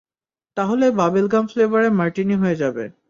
তাহলে bubble gum ফ্লেভারের martini হয়ে যাবে।